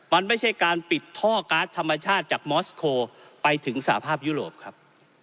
มันไม่ใช่การปิดท่อการ์ดธรรมชาติจากมอสโคลไปถึงสหภาพยุโรปครับ